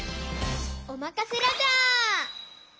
おまかせラジャー！